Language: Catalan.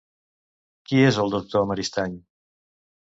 Qui és el doctor Maristany?